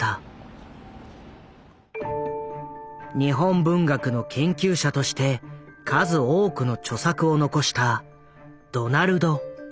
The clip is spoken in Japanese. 日本文学の研究者として数多くの著作を残したドナルド・キーン。